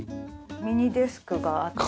ミニデスクがあって。